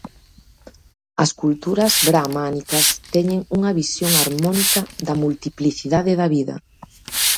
As culturas brahmánicas teñen unha visión harmónica da multiplicidade da vida.